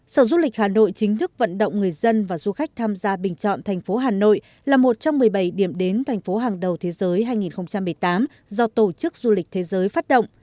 sở du lịch hà nội chính thức vận động người dân và du khách tham gia bình chọn thành phố hà nội là một trong một mươi bảy điểm đến thành phố hàng đầu thế giới hai nghìn một mươi tám do tổ chức du lịch thế giới phát động